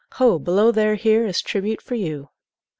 Ho, below there here is tribute for you."